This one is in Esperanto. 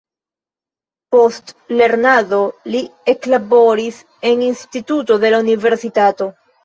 Post lernado li eklaboris en instituto de la universitato.